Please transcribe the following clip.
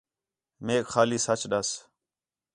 میک خالی سچ ݙس